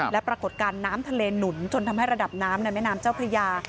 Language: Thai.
และปรากฏการณ์น้ำทะเลหนุนจนทำให้ระดับน้ำในแม่น้ำเจ้าพระยา